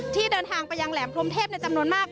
เดินทางไปยังแหลมพรมเทพในจำนวนมาก